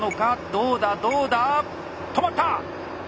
どうだどうだ止まった！